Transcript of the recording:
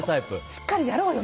しっかりやろうよ！